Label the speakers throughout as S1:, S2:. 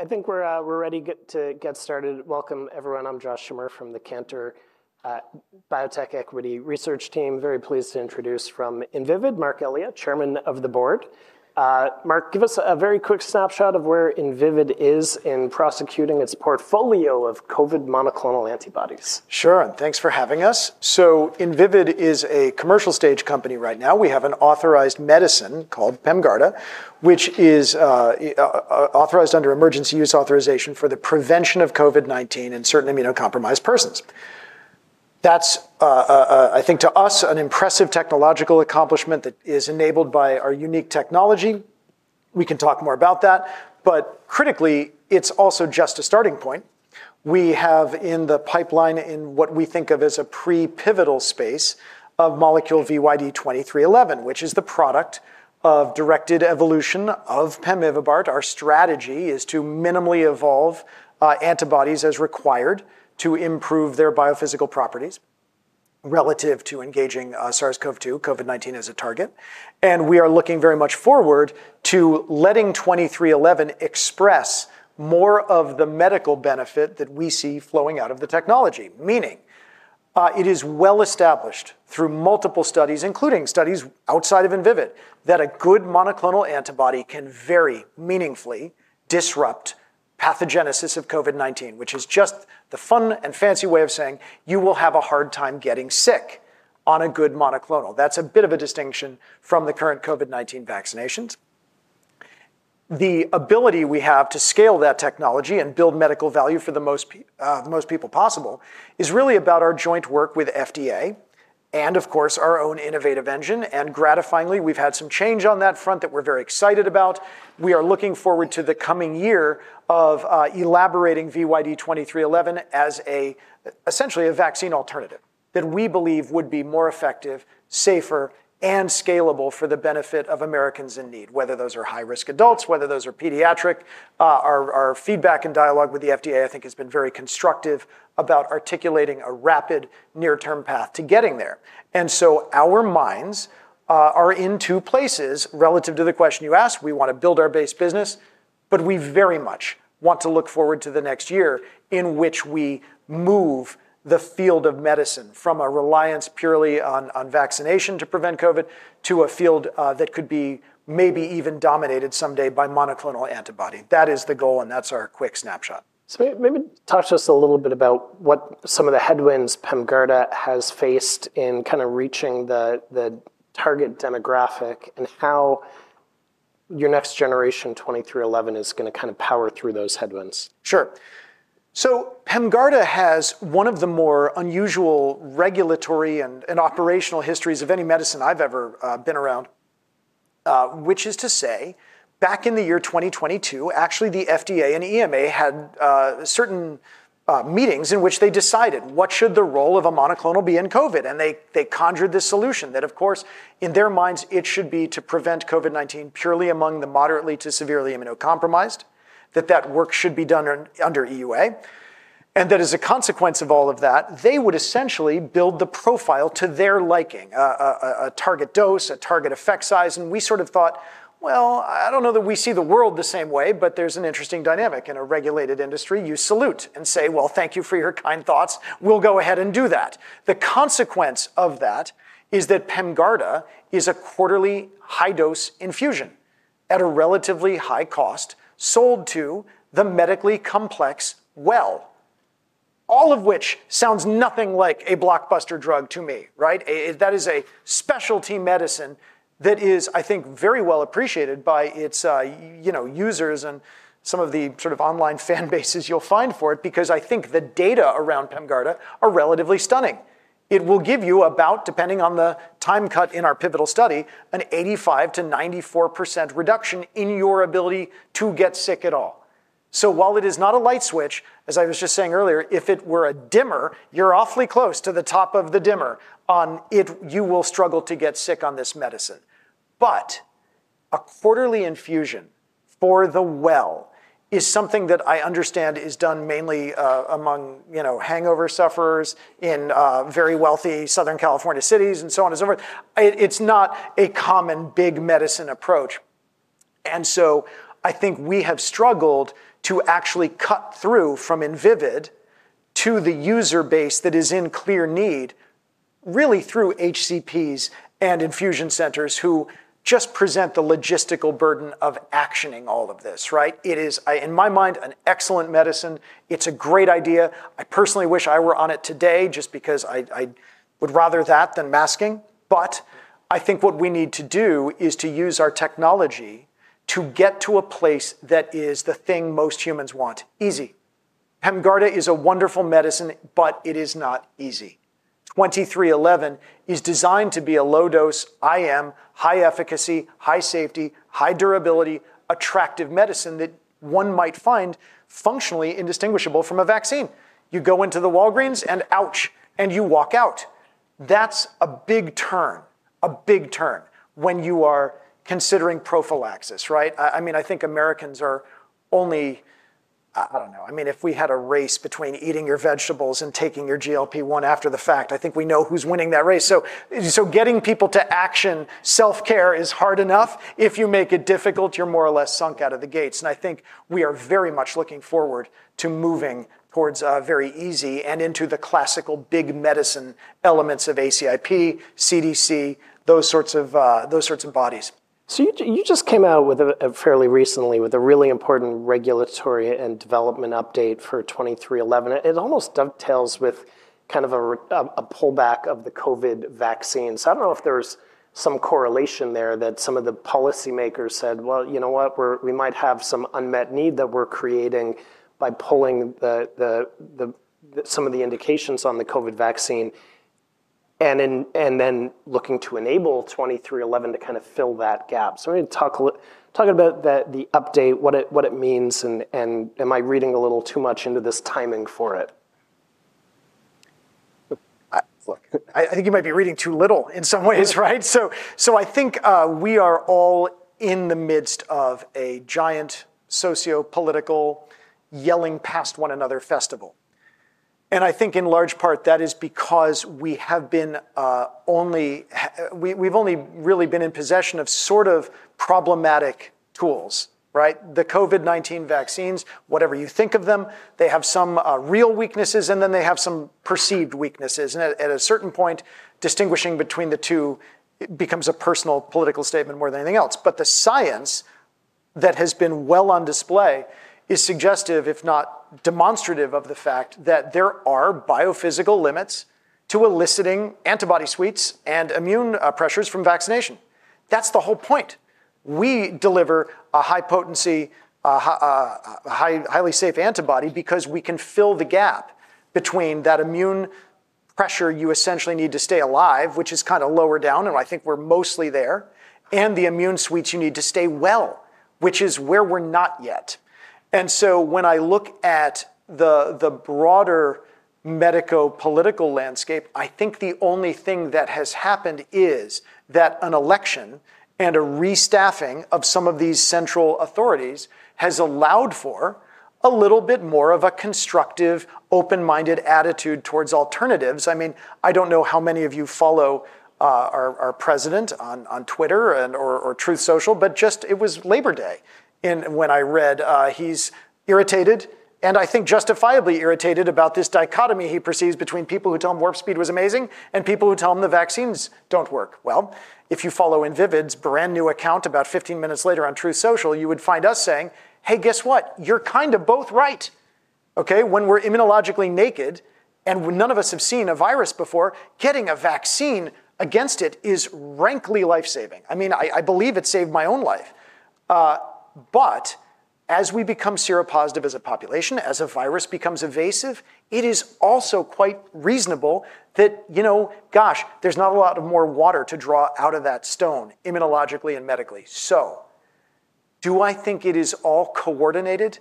S1: All right, I think we're ready to get started. Welcome, everyone. I'm Josh Schimmer from the Cantor Biotech Equity Research Team. Very pleased to introduce from Invivyd, Marc Elia, Chairman of the Board. Marc, give us a very quick snapshot of where Invivyd is in prosecuting its portfolio of COVID monoclonal antibodies.
S2: Sure, and thanks for having us. So Invivyd is a commercial stage company right now. We have an authorized medicine called PEMGARDA, which is authorized under emergency use authorization for the prevention of COVID-19 in certain immunocompromised persons. That's, I think, to us, an impressive technological accomplishment that is enabled by our unique technology. We can talk more about that. But critically, it's also just a starting point. We have in the pipeline what we think of as a pre-pivotal space of molecule VYD2311, which is the product of directed evolution of pemivibart. Our strategy is to minimally evolve antibodies as required to improve their biophysical properties relative to engaging SARS-CoV-2, COVID-19 as a target. And we are looking very much forward to letting 2311 express more of the medical benefit that we see flowing out of the technology. Meaning, it is well established through multiple studies, including studies outside of Invivyd, that a good monoclonal antibody can very meaningfully disrupt pathogenesis of COVID-19, which is just the fun and fancy way of saying you will have a hard time getting sick on a good monoclonal. That's a bit of a distinction from the current COVID-19 vaccinations. The ability we have to scale that technology and build medical value for the most people possible is really about our joint work with FDA and, of course, our own innovative engine, and gratifyingly, we've had some change on that front that we're very excited about. We are looking forward to the coming year of elaborating VYD2311 as essentially a vaccine alternative that we believe would be more effective, safer, and scalable for the benefit of Americans in need, whether those are high-risk adults, whether those are pediatric. Our feedback and dialogue with the FDA, I think, has been very constructive about articulating a rapid near-term path to getting there. And so our minds are in two places relative to the question you asked. We want to build our base business, but we very much want to look forward to the next year in which we move the field of medicine from a reliance purely on vaccination to prevent COVID to a field that could be maybe even dominated someday by monoclonal antibody. That is the goal, and that's our quick snapshot.
S1: Maybe talk to us a little bit about what some of the headwinds PEMGARDA has faced in kind of reaching the target demographic and how your next-generation VYD2311 is going to kind of power through those headwinds.
S2: Sure. So PEMGARDA has one of the more unusual regulatory and operational histories of any medicine I've ever been around, which is to say, back in the year 2022, actually, the FDA and EMA had certain meetings in which they decided what should the role of a monoclonal be in COVID. And they conjured this solution that, of course, in their minds, it should be to prevent COVID-19 purely among the moderately to severely immunocompromised, that that work should be done under EUA. And that as a consequence of all of that, they would essentially build the profile to their liking: a target dose, a target effect size. And we sort of thought, well, I don't know that we see the world the same way, but there's an interesting dynamic. In a regulated industry, you salute and say, well, thank you for your kind thoughts. We'll go ahead and do that. The consequence of that is that PEMGARDA is a quarterly high-dose infusion at a relatively high cost sold to the medically complex. Well, all of which sounds nothing like a blockbuster drug to me, right? That is a specialty medicine that is, I think, very well appreciated by its users and some of the sort of online fan bases you'll find for it, because I think the data around PEMGARDA are relatively stunning. It will give you about, depending on the time cut in our pivotal study, an 85%-94% reduction in your ability to get sick at all. So while it is not a light switch, as I was just saying earlier, if it were a dimmer, you're awfully close to the top of the dimmer on it. You will struggle to get sick on this medicine. But a quarterly infusion for the well is something that I understand is done mainly among hangover sufferers in very wealthy Southern California cities and so on and so forth. It's not a common big medicine approach. And so I think we have struggled to actually cut through from Invivyd to the user base that is in clear need, really through HCPs and infusion centers who just present the logistical burden of actioning all of this, right? It is, in my mind, an excellent medicine. It's a great idea. I personally wish I were on it today just because I would rather that than masking. But I think what we need to do is to use our technology to get to a place that is the thing most humans want: easy. PEMGARDA is a wonderful medicine, but it is not easy. VYD2311 is designed to be a low-dose IM, high efficacy, high safety, high durability, attractive medicine that one might find functionally indistinguishable from a vaccine. You go into the Walgreens and ouch, and you walk out. That's a big turn, a big turn when you are considering prophylaxis, right? I mean, I think Americans are only, I don't know, I mean, if we had a race between eating your vegetables and taking your GLP-1 after the fact, I think we know who's winning that race, so getting people to action, self-care is hard enough. If you make it difficult, you're more or less sunk out of the gates, and I think we are very much looking forward to moving towards very easy and into the classical big medicine elements of ACIP, CDC, those sorts of bodies.
S1: So you just came out fairly recently with a really important regulatory and development update for 2311. It almost dovetails with kind of a pullback of the COVID vaccine. So I don't know if there's some correlation there that some of the policymakers said, well, you know what, we might have some unmet need that we're creating by pulling some of the indications on the COVID vaccine and then looking to enable 2311 to kind of fill that gap. So maybe talk a little bit about the update, what it means, and am I reading a little too much into this timing for it?
S2: I think you might be reading too little in some ways, right, so I think we are all in the midst of a giant sociopolitical yelling past one another festival, and I think in large part that is because we've only really been in possession of sort of problematic tools, right? The COVID-19 vaccines, whatever you think of them, they have some real weaknesses and then they have some perceived weaknesses, and at a certain point, distinguishing between the two becomes a personal political statement more than anything else, but the science that has been well on display is suggestive, if not demonstrative, of the fact that there are biophysical limits to eliciting antibody responses and immune pressures from vaccination. That's the whole point. We deliver a high potency, highly safe antibody because we can fill the gap between that immune pressure you essentially need to stay alive, which is kind of lower down, and I think we're mostly there, and the immune suites you need to stay well, which is where we're not yet, and so when I look at the broader medical political landscape, I think the only thing that has happened is that an election and a restaffing of some of these central authorities has allowed for a little bit more of a constructive, open-minded attitude towards alternatives. I mean, I don't know how many of you follow our president on Twitter or Truth Social, but it was just Labor Day when I read he's irritated, and I think justifiably irritated about this dichotomy he perceives between people who tell him Warp Speed was amazing and people who tell him the vaccines don't work. Well, if you follow Invivyd's brand new account about 15 minutes later on Truth Social, you would find us saying, hey, guess what? You're kind of both right. OK, when we're immunologically naked and none of us have seen a virus before, getting a vaccine against it is frankly lifesaving. I mean, I believe it saved my own life. But as we become seropositive as a population, as a virus becomes evasive, it is also quite reasonable that, you know, gosh, there's not a lot of more water to draw out of that stone immunologically and medically. So do I think it is all coordinated?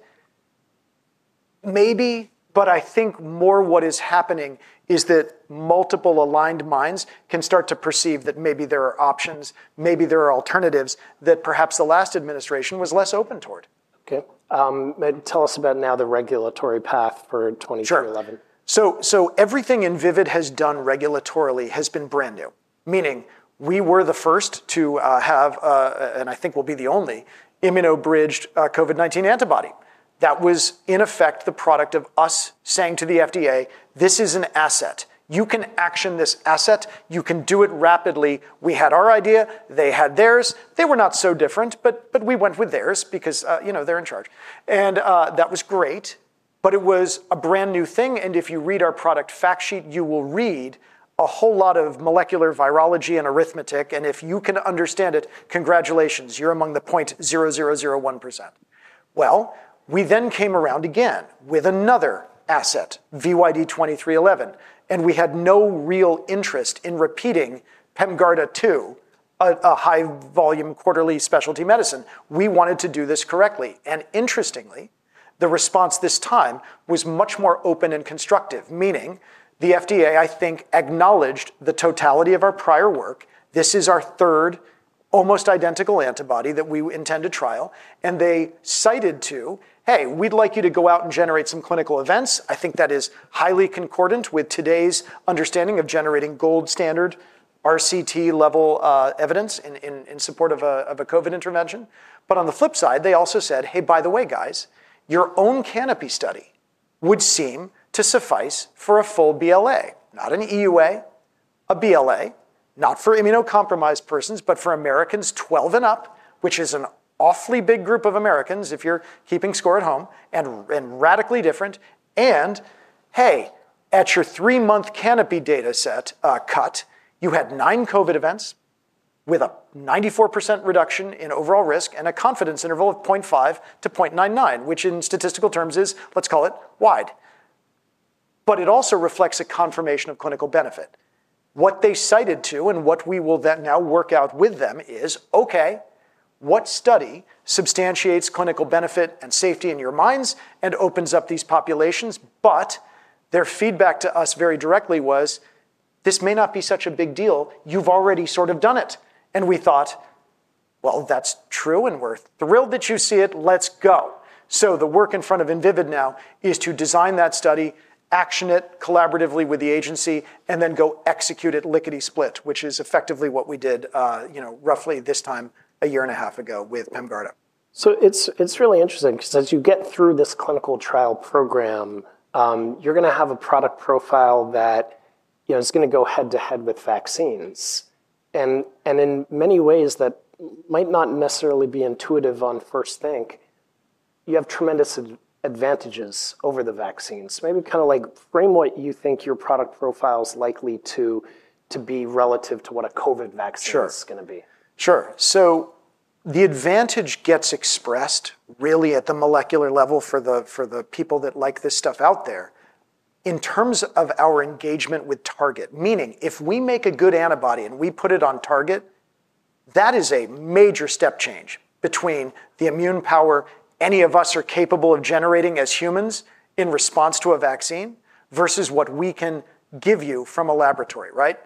S2: Maybe, but I think more what is happening is that multiple aligned minds can start to perceive that maybe there are options, maybe there are alternatives that perhaps the last administration was less open toward.
S1: OK. Tell us about now the regulatory path for 2311?
S2: Sure. So everything Invivyd has done regulatorily has been brand new, meaning we were the first to have, and I think will be the only immuno-bridged COVID-19 antibody. That was in effect the product of us saying to the FDA, this is an asset. You can action this asset. You can do it rapidly. We had our idea. They had theirs. They were not so different, but we went with theirs because, you know, they're in charge. And that was great, but it was a brand new thing. And if you read our product fact sheet, you will read a whole lot of molecular virology and arithmetic. And if you can understand it, congratulations. You're among the 0.0001%. Well, we then came around again with another asset, VYD2311, and we had no real interest in repeating PEMGARDA, too, a high-volume quarterly specialty medicine. We wanted to do this correctly. And interestingly, the response this time was much more open and constructive, meaning the FDA, I think, acknowledged the totality of our prior work. This is our third almost identical antibody that we intend to trial. And they cited to, hey, we'd like you to go out and generate some clinical events. I think that is highly concordant with today's understanding of generating gold standard RCT level evidence in support of a COVID intervention. But on the flip side, they also said, hey, by the way, guys, your own CANOPY study would seem to suffice for a full BLA, not an EUA, a BLA, not for immunocompromised persons, but for Americans 12 and up, which is an awfully big group of Americans if you're keeping score at home and radically different. Hey, at your three-month CANOPY data set cut, you had nine COVID events with a 94% reduction in overall risk and a confidence interval of 0.5-0.99, which in statistical terms is, let's call it wide. But it also reflects a confirmation of clinical benefit. What they cited to and what we will then now work out with them is, OK, what study substantiates clinical benefit and safety in your minds and opens up these populations? But their feedback to us very directly was, this may not be such a big deal. You've already sort of done it. And we thought, well, that's true and we're thrilled that you see it. Let's go. So the work in front of Invivyd now is to design that study, action it collaboratively with the agency, and then go execute it lickety split, which is effectively what we did roughly this time a year and a half ago with PEMGARDA.
S1: It's really interesting because as you get through this clinical trial program, you're going to have a product profile that is going to go head to head with vaccines. In many ways that might not necessarily be intuitive on first think, you have tremendous advantages over the vaccines. Maybe kind of like frame what you think your product profile is likely to be relative to what a COVID vaccine is going to be.
S2: Sure. So the advantage gets expressed really at the molecular level for the people that like this stuff out there in terms of our engagement with target, meaning if we make a good antibody and we put it on target, that is a major step change between the immune power any of us are capable of generating as humans in response to a vaccine versus what we can give you from a laboratory, right?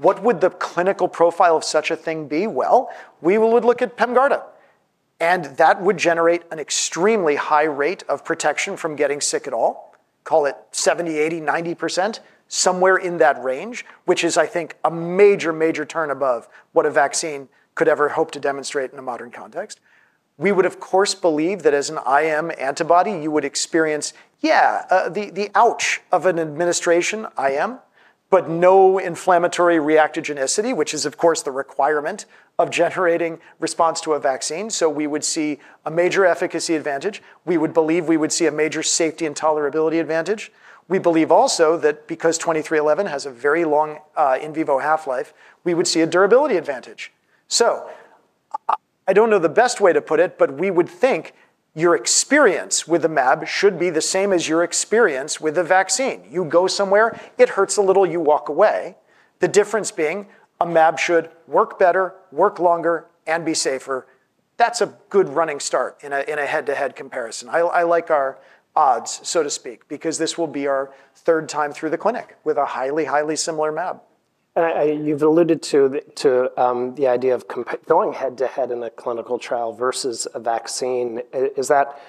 S2: So what would the clinical profile of such a thing be? Well, we would look at PEMGARDA. And that would generate an extremely high rate of protection from getting sick at all, call it 70%, 80%, 90%, somewhere in that range, which is, I think, a major, major turn above what a vaccine could ever hope to demonstrate in a modern context. We would, of course, believe that as an IM antibody, you would experience, yeah, the ouch of an administration IM, but no inflammatory reactogenicity, which is, of course, the requirement of generating response to a vaccine. So we would see a major efficacy advantage. We would believe we would see a major safety and tolerability advantage. We believe also that because 2311 has a very long in vivo half-life, we would see a durability advantage. So I don't know the best way to put it, but we would think your experience with a mAb should be the same as your experience with a vaccine. You go somewhere, it hurts a little, you walk away. The difference being a mAb should work better, work longer, and be safer. That's a good running start in a head-to-head comparison. I like our odds, so to speak, because this will be our third time through the clinic with a highly, highly similar mAb.
S1: You've alluded to the idea of going head to head in a clinical trial versus a vaccine. Is that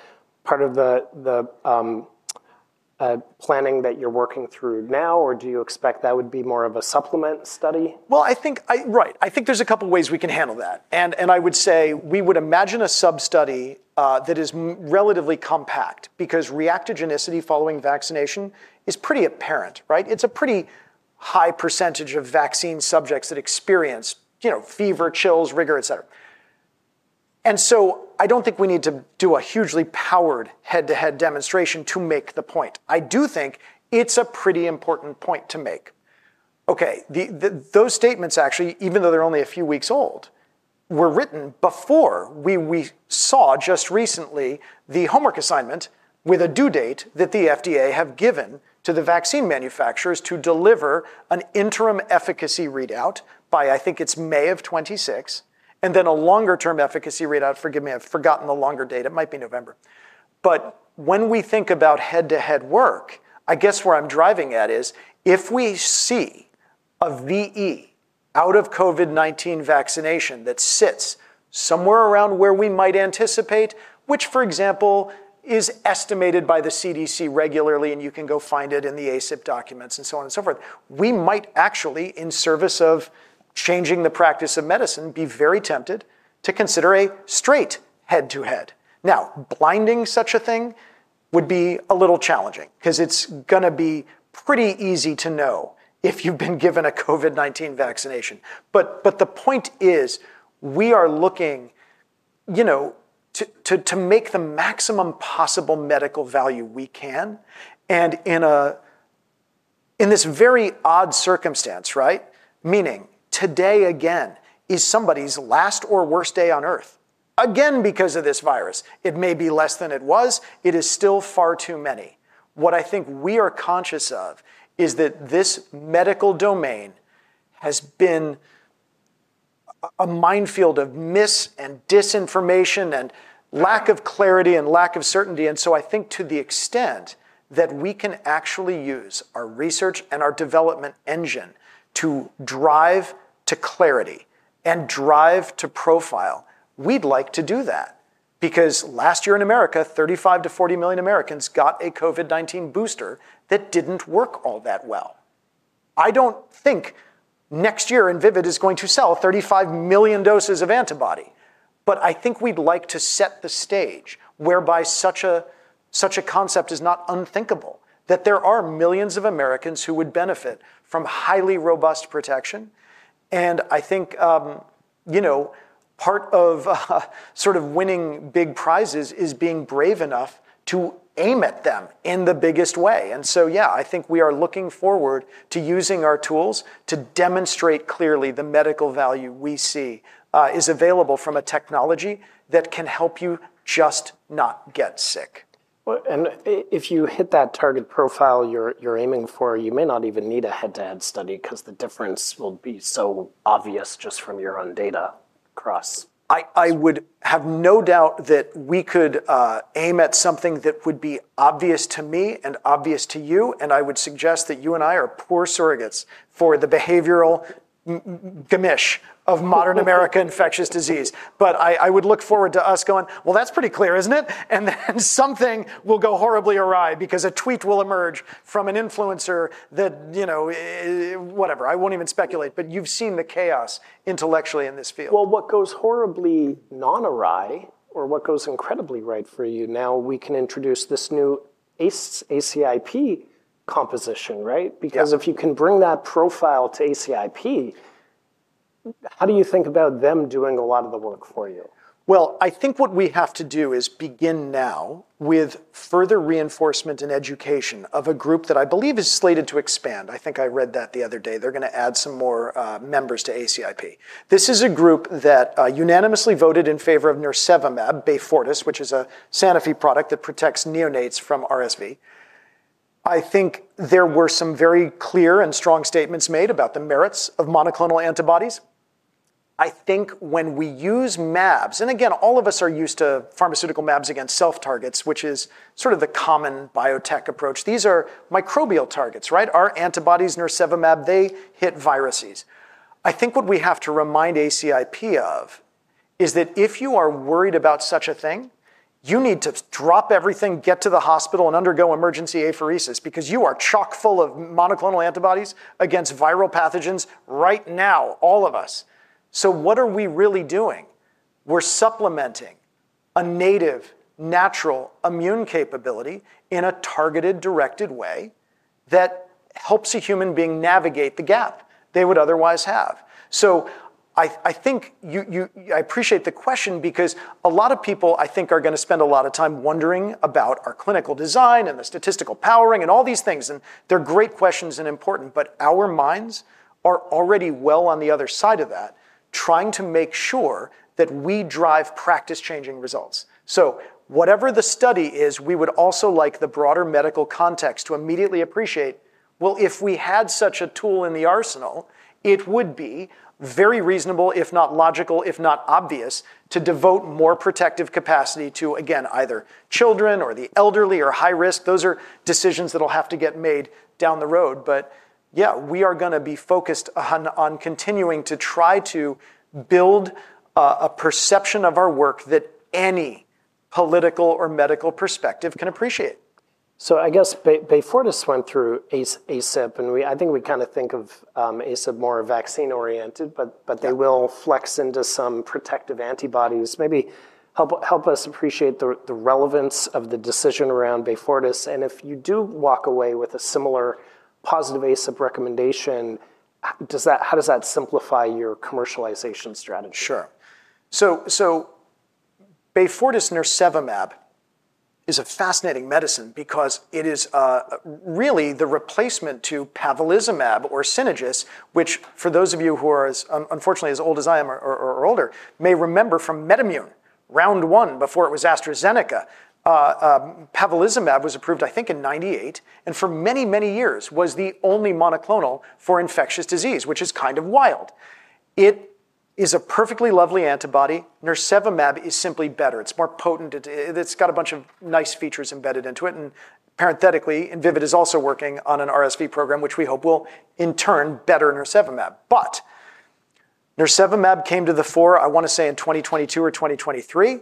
S1: part of the planning that you're working through now, or do you expect that would be more of a supplement study?
S2: I think, right, I think there's a couple of ways we can handle that. I would say we would imagine a sub-study that is relatively compact because reactogenicity following vaccination is pretty apparent, right? It's a pretty high percentage of vaccine subjects that experience fever, chills, rigor, et cetera. I don't think we need to do a hugely powered head-to-head demonstration to make the point. I do think it's a pretty important point to make. OK, those statements actually, even though they're only a few weeks old, were written before we saw just recently the homework assignment with a due date that the FDA have given to the vaccine manufacturers to deliver an interim efficacy readout by, I think it's May of 2026, and then a longer-term efficacy readout. Forgive me, I've forgotten the longer date. It might be November. But when we think about head-to-head work, I guess where I'm driving at is if we see a VE out of COVID-19 vaccination that sits somewhere around where we might anticipate, which, for example, is estimated by the CDC regularly, and you can go find it in the ACIP documents and so on and so forth, we might actually, in service of changing the practice of medicine, be very tempted to consider a straight head-to-head. Now, blinding such a thing would be a little challenging because it's going to be pretty easy to know if you've been given a COVID-19 vaccination. But the point is we are looking to make the maximum possible medical value we can. And in this very odd circumstance, right, meaning today again is somebody's last or worst day on earth. Again, because of this virus, it may be less than it was. It is still far too many. What I think we are conscious of is that this medical domain has been a minefield of mis- and disinformation and lack of clarity and lack of certainty. And so I think to the extent that we can actually use our research and our development engine to drive to clarity and drive to profile, we'd like to do that because last year in America, 35 million-40 million Americans got a COVID-19 booster that didn't work all that well. I don't think next year Invivyd is going to sell 35 million doses of antibody. But I think we'd like to set the stage whereby such a concept is not unthinkable, that there are millions of Americans who would benefit from highly robust protection. And I think part of sort of winning big prizes is being brave enough to aim at them in the biggest way. And so, yeah, I think we are looking forward to using our tools to demonstrate clearly the medical value we see is available from a technology that can help you just not get sick.
S1: If you hit that target profile you're aiming for, you may not even need a head-to-head study because the difference will be so obvious just from your own data across.
S2: I would have no doubt that we could aim at something that would be obvious to me and obvious to you. And I would suggest that you and I are poor surrogates for the behavioral whimsy of modern American infectious disease. But I would look forward to us going, well, that's pretty clear, isn't it? And then something will go horribly awry because a tweet will emerge from an influencer that, you know, whatever. I won't even speculate. But you've seen the chaos intellectually in this field.
S1: What goes horribly non-awry or what goes incredibly right for you now, we can introduce this new ACIP composition, right? Because if you can bring that profile to ACIP, how do you think about them doing a lot of the work for you?
S2: I think what we have to do is begin now with further reinforcement and education of a group that I believe is slated to expand. I think I read that the other day. They're going to add some more members to ACIP. This is a group that unanimously voted in favor of nirsevimab, Beyfortus, which is a Sanofi product that protects neonates from RSV. I think there were some very clear and strong statements made about the merits of monoclonal antibodies. I think when we use mAbs, and again, all of us are used to pharmaceutical mAbs against self-targets, which is sort of the common biotech approach, these are microbial targets, right? Our antibodies, nirsevimab, they hit viruses. I think what we have to remind ACIP of is that if you are worried about such a thing, you need to drop everything, get to the hospital, and undergo emergency apheresis because you are chock full of monoclonal antibodies against viral pathogens right now, all of us, so what are we really doing? We're supplementing a native, natural immune capability in a targeted, directed way that helps a human being navigate the gap they would otherwise have, so I think I appreciate the question because a lot of people, I think, are going to spend a lot of time wondering about our clinical design and the statistical powering and all these things, and they're great questions and important, but our minds are already well on the other side of that, trying to make sure that we drive practice-changing results. So whatever the study is, we would also like the broader medical context to immediately appreciate, well, if we had such a tool in the arsenal, it would be very reasonable, if not logical, if not obvious, to devote more protective capacity to, again, either children or the elderly or high risk. Those are decisions that will have to get made down the road. But yeah, we are going to be focused on continuing to try to build a perception of our work that any political or medical perspective can appreciate.
S1: So, I guess Beyfortus went through ACIP, and I think we kind of think of ACIP more vaccine-oriented, but they will flex into some protective antibodies. Maybe help us appreciate the relevance of the decision around Beyfortus. And if you do walk away with a similar positive ACIP recommendation, how does that simplify your commercialization strategy?
S2: Sure. So Beyfortus nirsevimab is a fascinating medicine because it is really the replacement to palivizumab or Synagis, which for those of you who are unfortunately as old as I am or older may remember from MedImmune, round one before it was AstraZeneca. Palivizumab was approved, I think, in 1998, and for many, many years was the only monoclonal for infectious disease, which is kind of wild. It is a perfectly lovely antibody. Nirsevimab is simply better. It's more potent. It's got a bunch of nice features embedded into it. And parenthetically, Invivyd is also working on an RSV program, which we hope will in turn better nirsevimab. But nirsevimab came to the fore, I want to say, in 2022 or 2023.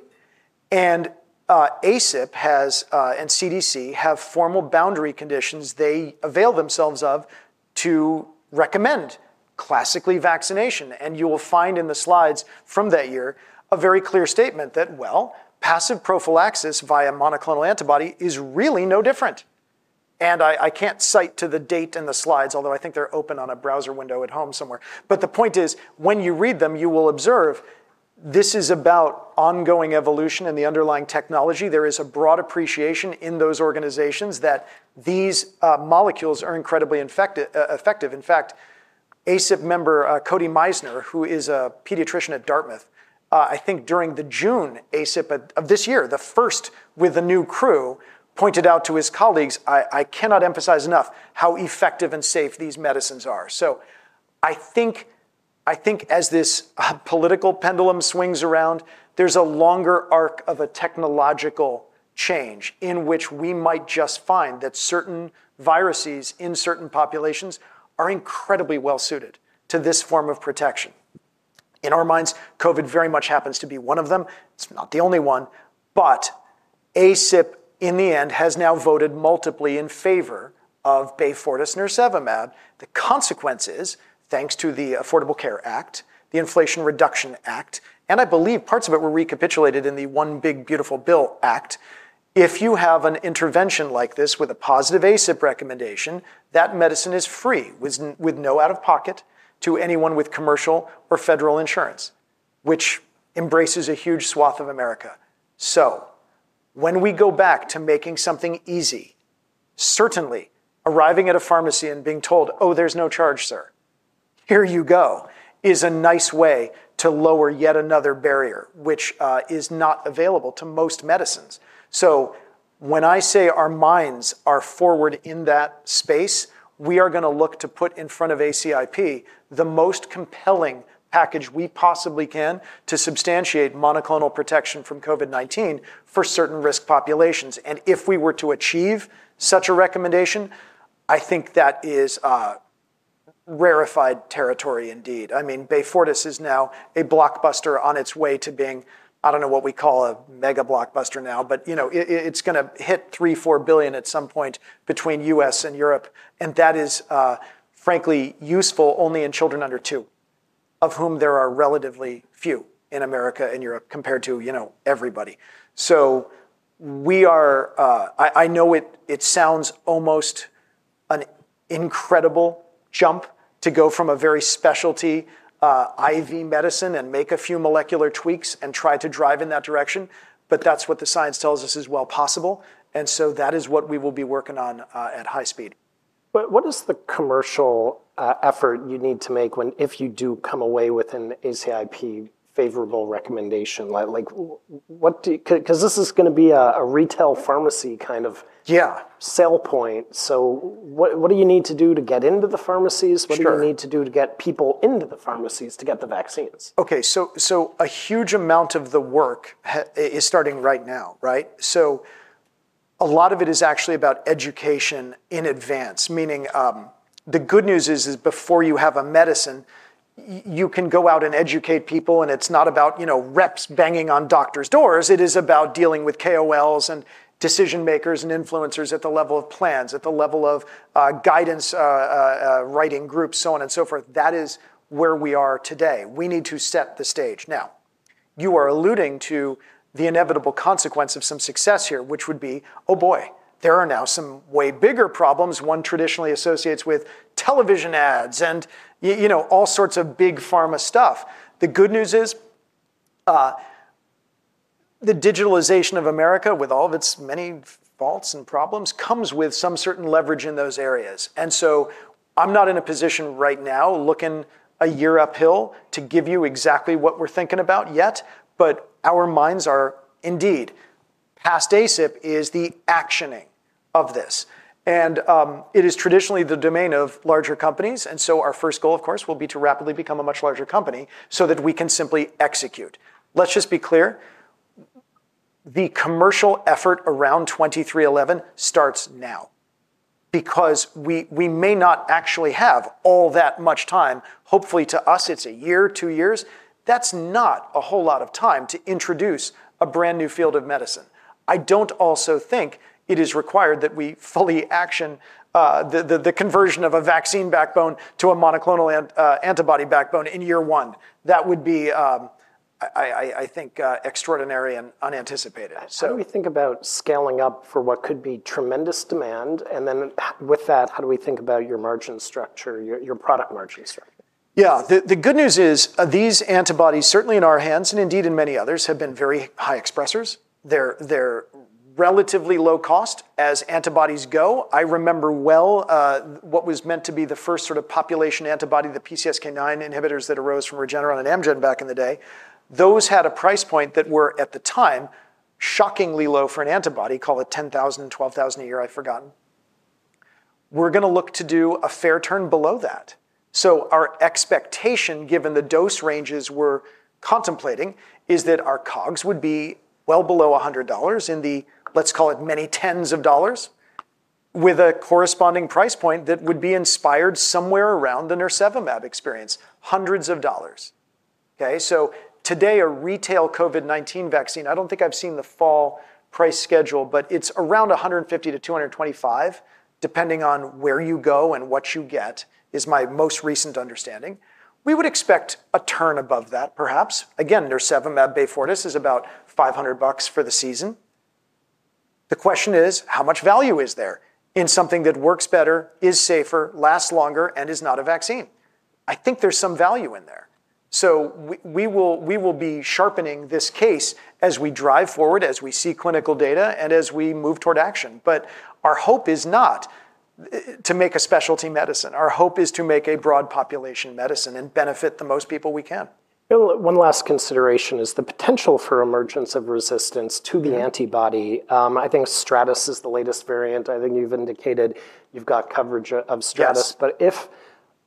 S2: And ACIP and CDC have formal boundary conditions they avail themselves of to recommend classically vaccination. You will find in the slides from that year a very clear statement that, well, passive prophylaxis via monoclonal antibody is really no different. I can't cite to the date in the slides, although I think they're open on a browser window at home somewhere. The point is, when you read them, you will observe this is about ongoing evolution and the underlying technology. There is a broad appreciation in those organizations that these molecules are incredibly effective. In fact, ACIP member Cody Meissner, who is a pediatrician at Dartmouth, I think during the June ACIP of this year, the first with a new crew, pointed out to his colleagues, I cannot emphasize enough how effective and safe these medicines are. So I think as this political pendulum swings around, there's a longer arc of a technological change in which we might just find that certain viruses in certain populations are incredibly well suited to this form of protection. In our minds, COVID very much happens to be one of them. It's not the only one. But ACIP, in the end, has now voted multiply in favor of Beyfortus nirsevimab. The consequences, thanks to the Affordable Care Act, the Inflation Reduction Act, and I believe parts of it were recapitulated in the One Big Beautiful Bill Act, if you have an intervention like this with a positive ACIP recommendation, that medicine is free with no out-of-pocket to anyone with commercial or federal insurance, which embraces a huge swath of America. So when we go back to making something easy, certainly arriving at a pharmacy and being told, oh, there's no charge, sir, here you go, is a nice way to lower yet another barrier, which is not available to most medicines. So when I say our minds are forward in that space, we are going to look to put in front of ACIP the most compelling package we possibly can to substantiate monoclonal protection from COVID-19 for certain risk populations. And if we were to achieve such a recommendation, I think that is rarefied territory indeed. I mean, Beyfortus is now a blockbuster on its way to being, I don't know what we call a mega blockbuster now, but it's going to hit $3 billion-$4 billion at some point between U.S. and Europe. That is, frankly, useful only in children under 2, of whom there are relatively few in America and Europe compared to everybody. I know it sounds almost an incredible jump to go from a very specialty IV medicine and make a few molecular tweaks and try to drive in that direction. That's what the science tells us is well possible. That is what we will be working on at high speed.
S1: But what is the commercial effort you need to make if you do come away with an ACIP-favorable recommendation? Because this is going to be a retail pharmacy kind of selling point. So what do you need to do to get into the pharmacies? What do you need to do to get people into the pharmacies to get the vaccines?
S2: OK, so a huge amount of the work is starting right now, right? So a lot of it is actually about education in advance, meaning the good news is before you have a medicine, you can go out and educate people. And it's not about reps banging on doctors' doors. It is about dealing with KOLs and decision makers and influencers at the level of plans, at the level of guidance writing groups, so on and so forth. That is where we are today. We need to set the stage. Now, you are alluding to the inevitable consequence of some success here, which would be, oh boy, there are now some way bigger problems. One traditionally associates with television ads and all sorts of big pharma stuff. The good news is the digitalization of America, with all of its many faults and problems, comes with some certain leverage in those areas, and so I'm not in a position right now looking a year uphill to give you exactly what we're thinking about yet, but our minds are indeed past ACIP is the actioning of this, and it is traditionally the domain of larger companies, and so our first goal, of course, will be to rapidly become a much larger company so that we can simply execute. Let's just be clear. The commercial effort around 2311 starts now because we may not actually have all that much time. Hopefully, to us, it's a year, two years. That's not a whole lot of time to introduce a brand new field of medicine. I don't also think it is required that we fully action the conversion of a vaccine backbone to a monoclonal antibody backbone in year one. That would be, I think, extraordinary and unanticipated.
S1: How do we think about scaling up for what could be tremendous demand? And then with that, how do we think about your margin structure, your product margin structure?
S2: Yeah, the good news is these antibodies, certainly in our hands and indeed in many others, have been very high expressors. They're relatively low cost as antibodies go. I remember well what was meant to be the first sort of population antibody, the PCSK9 inhibitors that arose from Regeneron and Amgen back in the day. Those had a price point that were at the time shockingly low for an antibody, call it $10,000-$12,000 a year, I've forgotten. We're going to look to do a fair turn below that. So our expectation, given the dose ranges we're contemplating, is that our COGS would be well below $100 in the, let's call it, many tens of dollars with a corresponding price point that would be inspired somewhere around the nirsevimab experience, hundreds of dollars. OK, so today, a retail COVID-19 vaccine, I don't think I've seen the fall price schedule, but it's around $150-$225, depending on where you go and what you get is my most recent understanding. We would expect a turn above that, perhaps. Again, Nirsevimab Beyfortus is about $500 for the season. The question is, how much value is there in something that works better, is safer, lasts longer, and is not a vaccine? I think there's some value in there. We will be sharpening this case as we drive forward, as we see clinical data, and as we move toward action. Our hope is not to make a specialty medicine. Our hope is to make a broad population medicine and benefit the most people we can.
S1: One last consideration is the potential for emergence of resistance to the antibody. I think Stratus is the latest variant. I think you've indicated you've got coverage of Stratus. But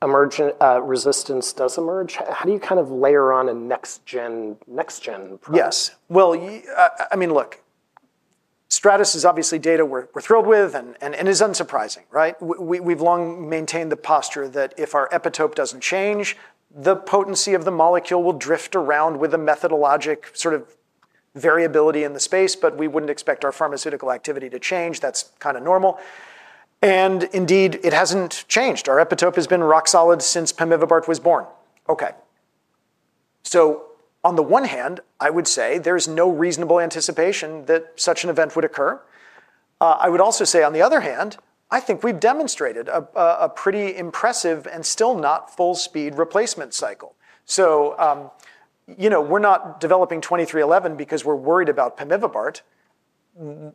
S1: if resistance does emerge, how do you kind of layer on a next-gen product?
S2: Yes. Well, I mean, look, Stratus is obviously data we're thrilled with and is unsurprising, right? We've long maintained the posture that if our epitope doesn't change, the potency of the molecule will drift around with a methodological sort of variability in the space. But we wouldn't expect our pharmaceutical activity to change. That's kind of normal. And indeed, it hasn't changed. Our epitope has been rock solid since pemivibart was born. OK. So on the one hand, I would say there is no reasonable anticipation that such an event would occur. I would also say, on the other hand, I think we've demonstrated a pretty impressive and still not full-speed replacement cycle. So we're not developing 2311 because we're worried about pemivibart,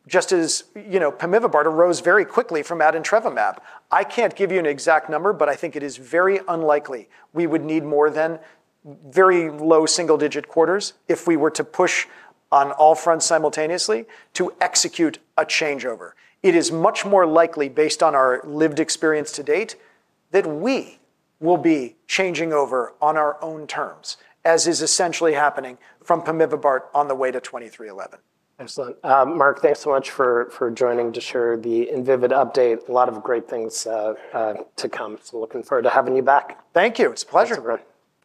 S2: just as pemivibart arose very quickly from adintrevimab. I can't give you an exact number, but I think it is very unlikely we would need more than very low single-digit quarters if we were to push on all fronts simultaneously to execute a changeover. It is much more likely, based on our lived experience to date, that we will be changing over on our own terms, as is essentially happening from pemivibart on the way to 2311.
S1: Excellent. Mark, thanks so much for joining to share the Invivyd update. A lot of great things to come. So looking forward to having you back.
S2: Thank you. It's a pleasure.